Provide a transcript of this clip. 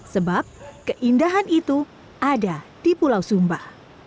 sebab keindahan itu ada di pulau sumba